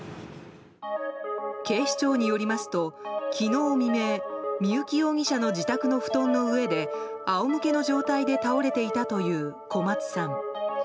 警視庁によりますと昨日未明三幸容疑者の自宅の布団の上であおむけの状態で倒れていたという小松さん。